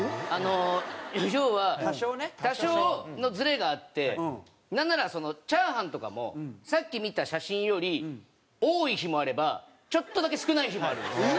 要は多少のズレがあってなんならチャーハンとかもさっき見た写真より多い日もあればちょっとだけ少ない日もあるんですよ。